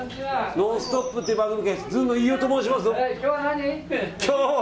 「ノンストップ！」という番組でずんの飯尾と申します。